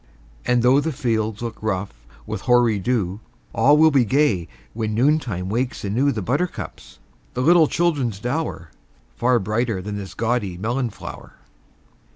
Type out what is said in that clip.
And though the fields look rough with hoary dew, All will be gay when noontide wakes anew The buttercups, the little children's dower Far brighter than this gaudy melon flower!